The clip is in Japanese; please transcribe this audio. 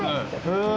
へえ。